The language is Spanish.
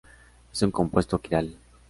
Es un compuesto quiral.